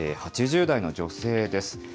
８０代の女性です。